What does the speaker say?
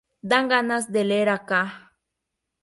Dan ganas de leer acá".